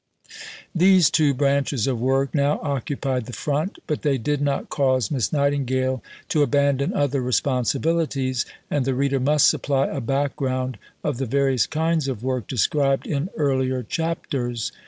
These two branches of work now occupied the front; but they did not cause Miss Nightingale to abandon other responsibilities, and the reader must supply a background of the various kinds of work described in earlier chapters.